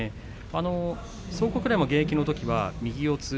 蒼国来の現役のときは右四つ。